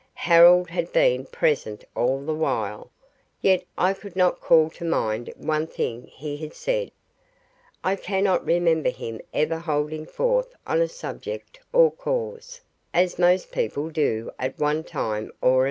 Harold had been present all the while, yet I could not call to mind one thing he had said. I cannot remember him ever holding forth on a subject or cause, as most people do at one time or another.